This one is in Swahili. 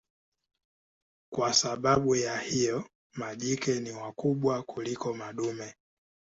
Kwa sababu ya hiyo majike ni wakubwa kuliko madume.